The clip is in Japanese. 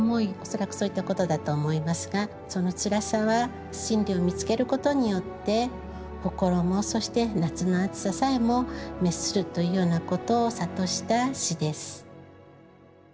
恐らくそういったことだと思いますが「そのつらさは真理を見つけることによって心もそして夏の熱ささえも滅する」というようなことを諭した詩です。